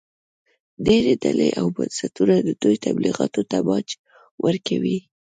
ډېرې ډلې او بنسټونه د دوی تبلیغاتو ته باج ورکوي